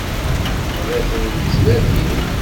La ten-yettnadi?